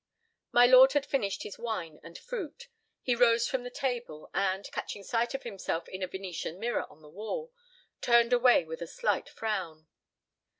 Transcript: My lord had finished his wine and fruit. He rose from the table, and, catching sight of himself in a Venetian mirror on the wall, turned away with a slight frown.